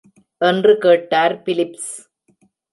என்று கேட்டார் பிலிப்ஸ்.